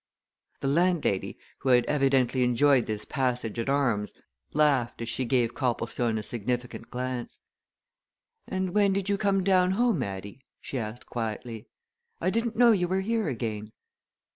The landlady, who had evidently enjoyed this passage at arms, laughed as she gave Copplestone a significant glance. "And when did you come down home, Addie?" she asked quietly. "I didn't know you were here again."